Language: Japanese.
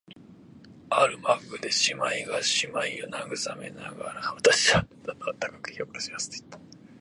ある幕で姉娘が妹娘を慰めながら、「私はあなたを高く評価します」と言った